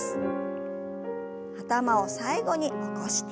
頭を最後に起こして。